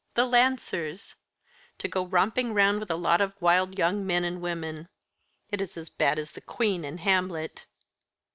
"The Lancers! To go romping round with a lot of wild young men and women. It is as bad as the Queen in Hamlet."